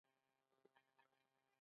بزګر د ژوند معمار دی